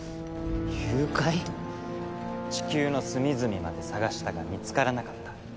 チキューの隅々まで捜したが見つからなかった。